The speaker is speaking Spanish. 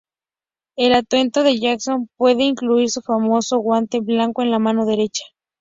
El atuendo de Jackson pudo incluir su famoso guante blanco en la mano derecha.